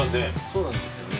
そうなんですよね。